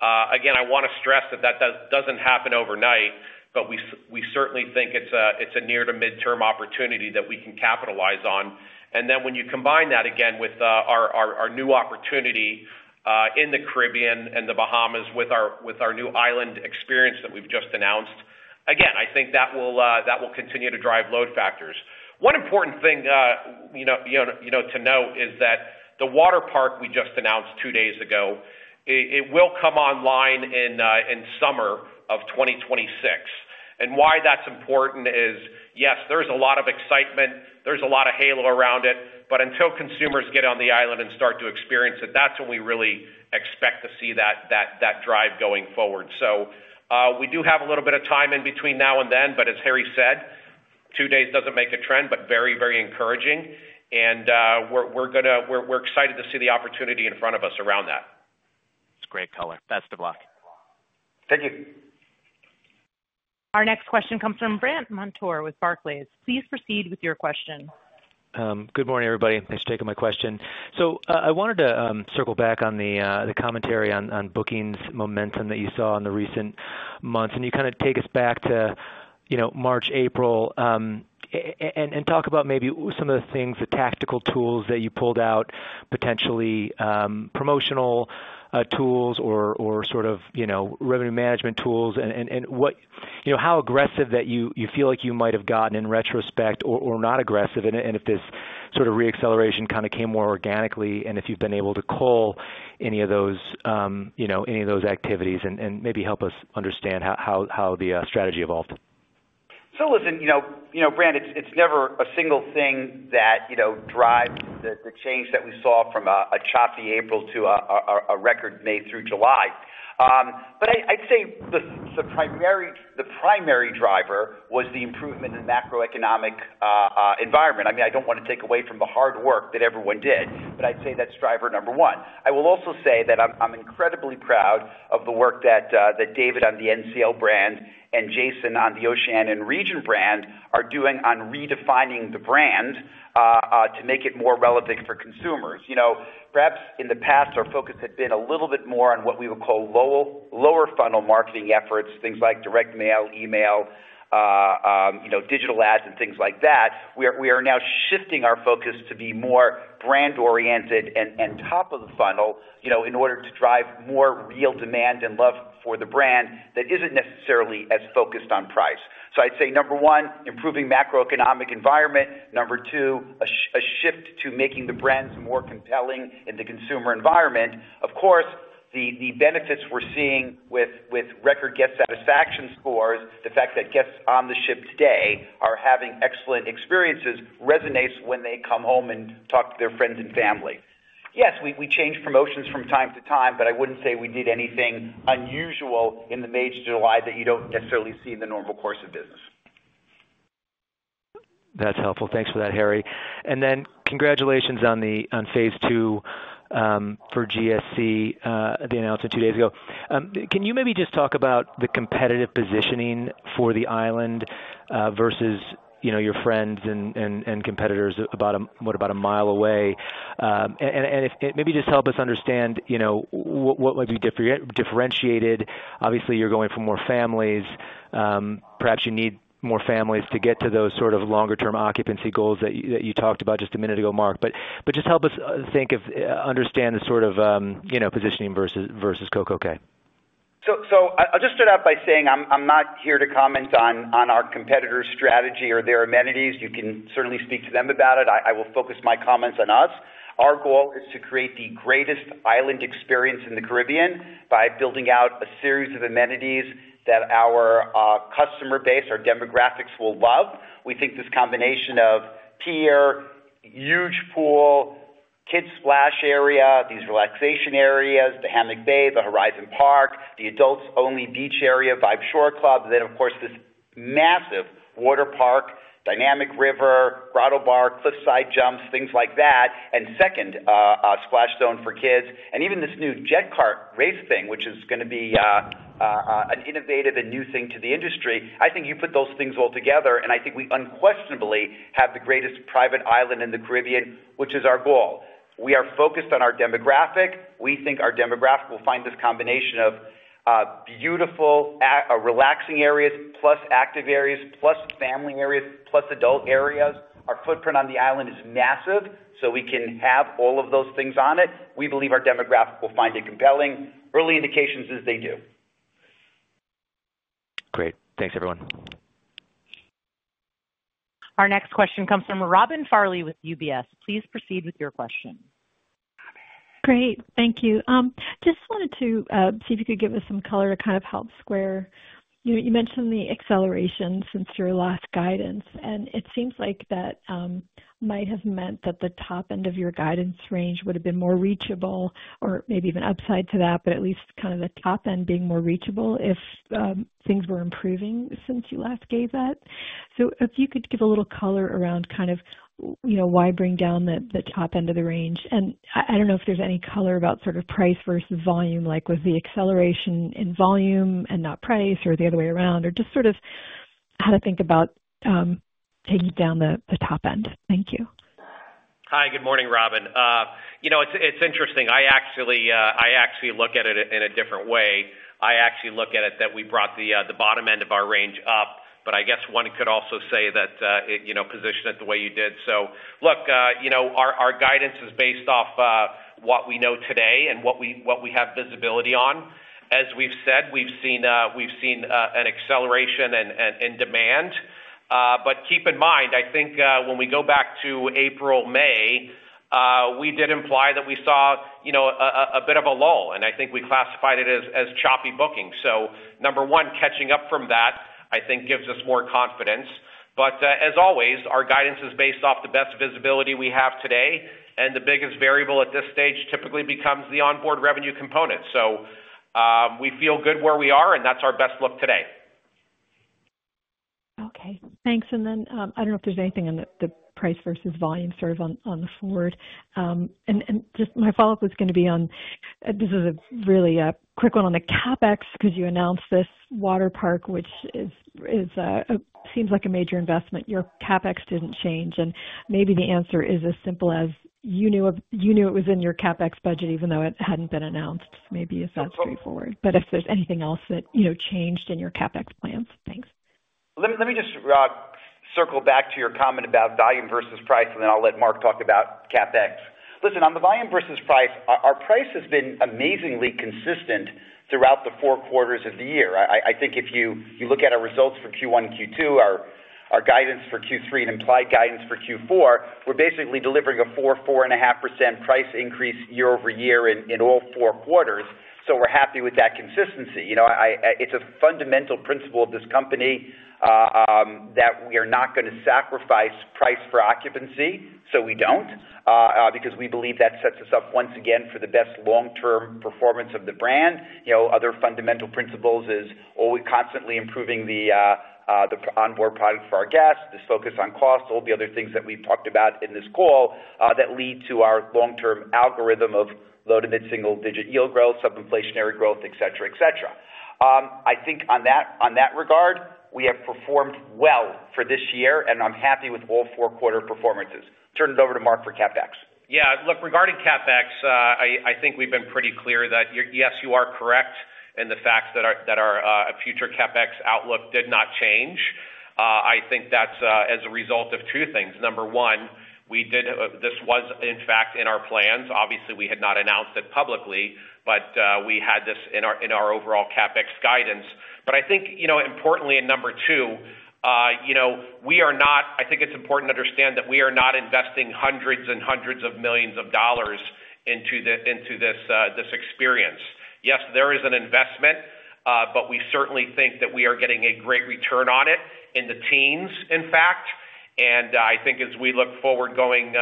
D: I want to stress that that doesn't happen overnight, but we certainly think it's a near-to-mid-term opportunity that we can capitalize on. When you combine that again with our new opportunity in the Caribbean and the Bahamas with our new island experience that we've just announced, I think that will continue to drive load factors. One important thing to note is that the Waterpark we just announced two days ago will come online in summer of 2026. Why that's important is, yes, there's a lot of excitement. There's a lot of halo around it. Until consumers get on the island and start to experience it, that's when we really expect to see that drive going forward. We do have a little bit of time in between now and then, but as Harry said, two days doesn't make a trend, but very, very encouraging. We're excited to see the opportunity in front of us around that.
H: It's a great color. Best of luck.
C: Thank you.
A: Our next question comes from Brandt Montour with Barclays. Please proceed with your question.
I: Good morning, everybody. Thanks for taking my question. I wanted to circle back on the commentary on bookings momentum that you saw in the recent months. Can you kind of take us back to March, April. Talk about maybe some of the things, the tactical tools that you pulled out, potentially. Promotional tools or sort of revenue management tools, and how aggressive that you feel like you might have gotten in retrospect or not aggressive, and if this sort of re-acceleration kind of came more organically, and if you've been able to cull any of those activities and maybe help us understand how the strategy evolved.
C: Listen, Brandt, it's never a single thing that drives the change that we saw from a choppy April to a record May through July. I'd say the primary driver was the improvement in the macroeconomic environment. I don't want to take away from the hard work that everyone did, but I'd say that's driver number one. I will also say that I'm incredibly proud of the work that David on the NCL brand and Jason on the Oceania and Regent brand are doing on redefining the brand to make it more relevant for consumers. Perhaps in the past, our focus had been a little bit more on what we would call lower-funnel marketing efforts, things like direct mail, email, digital ads, and things like that. We are now shifting our focus to be more brand-oriented and top of the funnel in order to drive more real demand and love for the brand that isn't necessarily as focused on price. I'd say, number one, improving macroeconomic environment. Number two, a shift to making the brands more compelling in the consumer environment. Of course, the benefits we're seeing with record guest satisfaction scores, the fact that guests on the ship today are having excellent experiences, resonates when they come home and talk to their friends and family. Yes, we change promotions from time to time, but I wouldn't say we did anything unusual in the May to July that you don't necessarily see in the normal course of business.
I: That's helpful. Thanks for that, Harry. Congratulations on phase two for GSC, the announcement two days ago. Can you maybe just talk about the competitive positioning for the island versus your friends and competitors about a mile away? Maybe just help us understand what might be differentiated. Obviously, you're going for more families. Perhaps you need more families to get to those sort of longer-term occupancy goals that you talked about just a minute ago, Mark. Just help us think of understand the sort of positioning versus CocoCay.
C: I'll just start out by saying I'm not here to comment on our competitor strategy or their amenities. You can certainly speak to them about it. I will focus my comments on us. Our goal is to create the greatest island experience in the Caribbean by building out a series of amenities that our customer base, our demographics, will love. We think this combination of pier, huge pool, kids' splash area, these relaxation areas, the Hammock Bay, the Horizon Park, the adults-only beach area, Vibe Shore Club, of course, this massive water park, Dynamic River, Grotto Bar, cliffside jumps, things like that, and second, a splash zone for kids. Even this new jet cart race thing, which is going to be an innovative and new thing to the industry. I think you put those things all together, and I think we unquestionably have the greatest private island in the Caribbean, which is our goal. We are focused on our demographic. We think our demographic will find this combination of beautiful, relaxing areas, plus active areas, plus family areas, plus adult areas. Our footprint on the island is massive, so we can have all of those things on it. We believe our demographic will find it compelling. Early indications is they do.
I: Great. Thanks, everyone.
A: Our next question comes from Robin Farley with UBS. Please proceed with your question.
J: Great. Thank you. Just wanted to see if you could give us some color to kind of help square. You mentioned the acceleration since your last guidance, and it seems like that might have meant that the top end of your guidance range would have been more reachable or maybe even upside to that, but at least kind of the top end being more reachable if things were improving since you last gave that. If you could give a little color around kind of why bring down the top end of the range. I don't know if there's any color about sort of price versus volume, like was the acceleration in volume and not price or the other way around, or just sort of how to think about taking down the top end.
D: Thank you. Hi. Good morning, Robin. It's interesting. I actually look at it in a different way. I actually look at it that we brought the bottom end of our range up, but I guess one could also say that, position it the way you did. Our guidance is based off what we know today and what we have visibility on. As we've said, we've seen an acceleration in demand. Keep in mind, I think when we go back to April, May. We did imply that we saw a bit of a lull, and I think we classified it as choppy booking. Number one, catching up from that, I think, gives us more confidence. As always, our guidance is based off the best visibility we have today, and the biggest variable at this stage typically becomes the onboard revenue component. We feel good where we are, and that's our best look today.
J: Okay, thanks. I don't know if there's anything on the price versus volume sort of on the forward. My follow-up was going to be on—this is a really quick one on the CapEx because you announced this water park, which seems like a major investment. Your CapEx didn't change, and maybe the answer is as simple as you knew it was in your CapEx budget, even though it hadn't been announced. Maybe it's not straightforward. If there's anything else that changed in your CapEx plans, thanks.
C: Let me just circle back to your comment about volume versus price, and then I'll let Mark talk about CapEx. Listen, on the volume versus price, our price has been amazingly consistent throughout the four quarters of the year. I think if you look at our results for Q1 and Q2, our guidance for Q3, and implied guidance for Q4, we're basically delivering a 4%-4.5% price increase year over year in all four quarters. We're happy with that consistency. It's a fundamental principle of this Company that we are not going to sacrifice price for occupancy. We don't, because we believe that sets us up once again for the best long-term performance of the brand. Other fundamental principles are always constantly improving the onboard product for our guests, this focus on cost, all the other things that we've talked about in this call that lead to our long-term algorithm of low to mid-single-digit yield growth, sub-inflationary growth, etc., etc. I think on that regard, we have performed well for this year, and I'm happy with all four-quarter performances. Turn it over to Mark for CapEx.
D: Yeah, look, regarding CapEx, I think we've been pretty clear that, yes, you are correct in the fact that our future CapEx outlook did not change. I think that's as a result of two things. Number one, this was, in fact, in our plans. Obviously, we had not announced it publicly, but we had this in our overall CapEx guidance. Importantly, and number two, we are not—I think it's important to understand that we are not investing hundreds and hundreds of millions of dollars into. This experience. Yes, there is an investment, but we certainly think that we are getting a great return on it in the teens, in fact. I think as we look forward going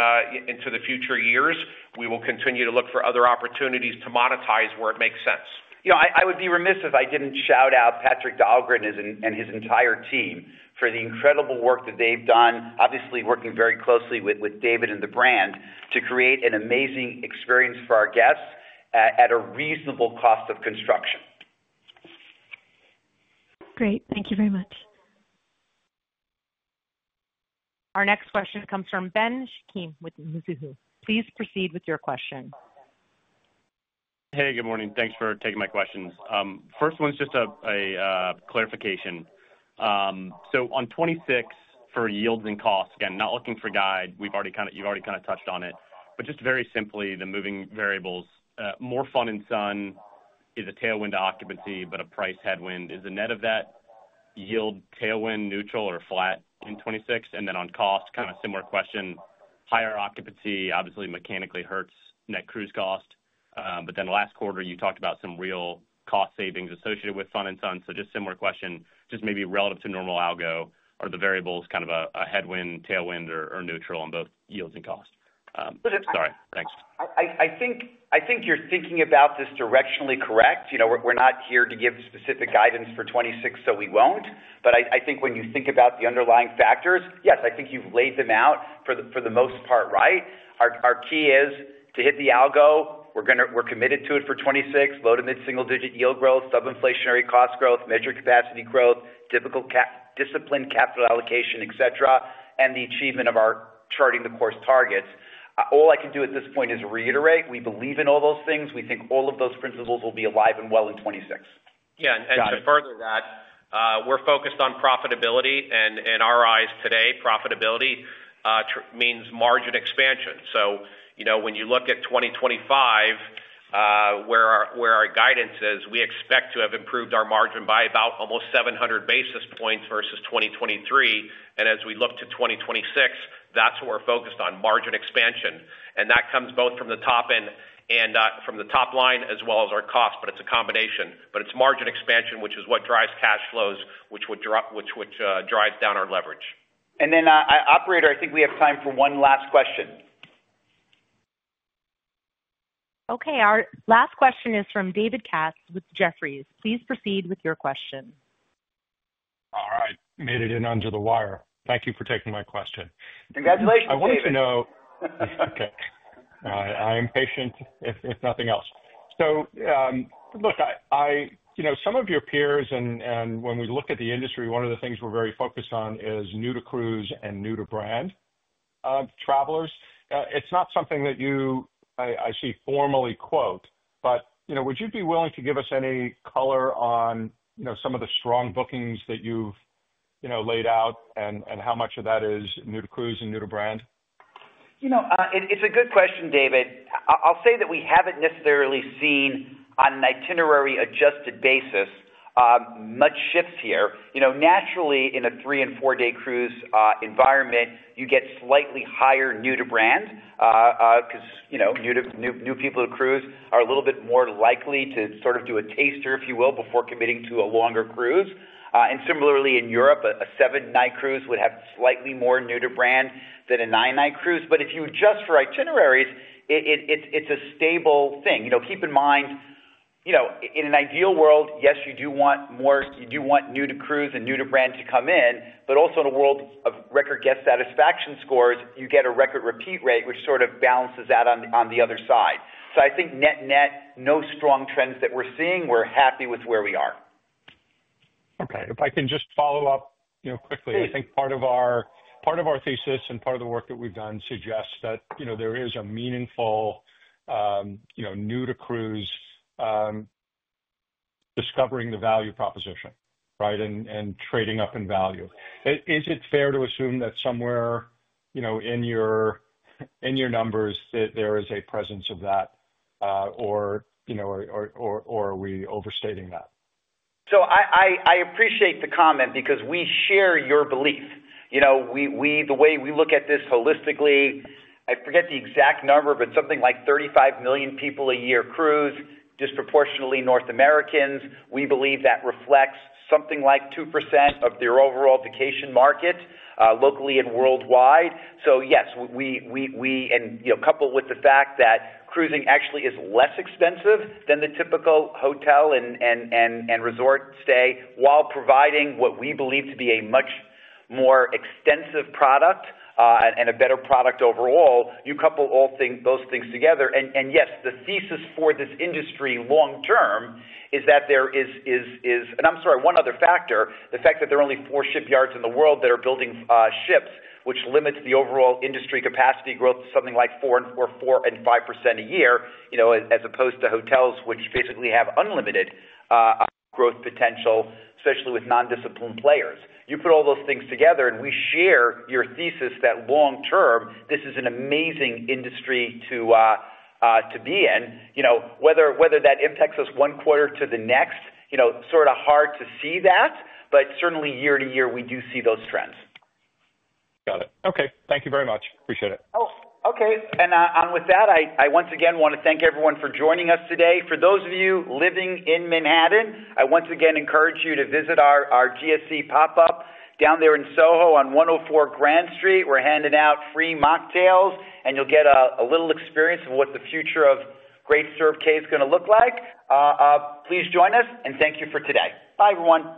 D: into the future years, we will continue to look for other opportunities to monetize where it makes sense.
C: I would be remiss if I didn't shout out Patrik Dahlgren and his entire team for the incredible work that they've done, obviously working very closely with David and the brand to create an amazing experience for our guests at a reasonable cost of construction.
J: Great. Thank you very much.
A: Our next question comes from Ben Chaiken with Mizuho. Please proceed with your question.
K: Hey, good morning. Thanks for taking my questions. First one's just a clarification. On 2026 for yields and costs, again, not looking for guide. You've already kind of touched on it. Just very simply, the moving variables, more fun and sun is a tailwind to occupancy, but a price headwind. Is the net of that yield tailwind neutral or flat in 2026? On cost, kind of similar question. Higher occupancy, obviously, mechanically hurts net cruise cost. Last quarter, you talked about some real cost savings associated with fun and sun. Just similar question, maybe relative to normal algo, are the variables kind of a headwind, tailwind, or neutral on both yields and cost? Sorry. Thanks.
C: I think you're thinking about this directionally correct. We're not here to give specific guidance for 2026, so we won't. I think when you think about the underlying factors, yes, I think you've laid them out for the most part right. Our key is to hit the algo. We're committed to it for 2026. Low to mid-single-digit yield growth, sub-inflationary cost growth, measured capacity growth, disciplined capital allocation, etc., and the achievement of our charting-the-course strategy targets. All I can do at this point is reiterate we believe in all those things. We think all of those principles will be alive and well in 2026.
D: Yeah. To further that, we're focused on profitability. In our eyes today, profitability means margin expansion. When you look at 2025, where our guidance is, we expect to have improved our margin by about almost 700 basis points versus 2023. As we look to 2026, that's where we're focused on margin expansion. That comes both from the top end and from the top line as well as our cost, but it's a combination. It's margin expansion, which is what drives cash flows, which. Drives down our leverage.
C: Operator, I think we have time for one last question.
A: Our last question is from David Katz with Jefferies. Please proceed with your question.
L: All right. Made it in under the wire. Thank you for taking my question.
C: Congratulations.
L: I wanted to know. All right. I am patient, if nothing else. Some of your peers, and when we look at the industry, one of the things we're very focused on is new to cruise and new to brand travelers. It's not something that you formally quote, but would you be willing to give us any color on some of the strong bookings that you've laid out and how much of that is new to cruise and new to brand?
C: It's a good question, David. I'll say that we haven't necessarily seen, on an itinerary-adjusted basis, much shift here. Naturally, in a three- and four-day cruise environment, you get slightly higher new to brand because new people to cruise are a little bit more likely to sort of do a taster, if you will, before committing to a longer cruise. Similarly, in Europe, a seven-night cruise would have slightly more new to brand than a nine-night cruise. If you adjust for itineraries, it's a stable thing. Keep in mind, in an ideal world, yes, you do want more, you do want new to cruise and new to brand to come in, but also in a world of record guest satisfaction scores, you get a record repeat rate, which sort of balances out on the other side. I think net-net, no strong trends that we're seeing. We're happy with where we are.
L: If I can just follow up quickly, I think part of our thesis and part of the work that we've done suggests that there is a meaningful new to cruise discovering the value proposition, right, and trading up in value. Is it fair to assume that somewhere in your numbers that there is a presence of that, or are we overstating that?
C: I appreciate the comment because we share your belief. The way we look at this holistically, I forget the exact number, but something like 35 million people a year cruise, disproportionately North Americans. We believe that reflects something like 2% of their overall vacation market locally and worldwide. Yes, and coupled with the fact that cruising actually is less expensive than the typical hotel and resort stay while providing what we believe to be a much more extensive product and a better product overall, you couple both things together. Yes, the thesis for this industry long-term is that there is, and I'm sorry, one other factor, the fact that there are only four shipyards in the world that are building ships, which limits the overall industry capacity growth to something like 4% and 5% a year, as opposed to hotels, which basically have unlimited growth potential, especially with nondisciplined players. You put all those things together, and we share your thesis that long-term, this is an amazing industry to be in. Whether that impacts us one quarter to the next, sort of hard to see that, but certainly year to year, we do see those trends.
L: Got it. Okay. Thank you very much. Appreciate it.
C: Okay. With that, I once again want to thank everyone for joining us today. For those of you living in Manhattan, I once again encourage you to visit our GSC pop-up down there in Soho on 104 Grand Street. We're handing out free mocktails, and you'll get a little experience of what the future of Great Stirrup Cay is going to look like. Please join us, and thank you for today. Bye, everyone.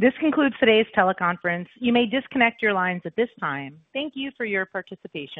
A: This concludes today's teleconference. You may disconnect your lines at this time. Thank you for your participation.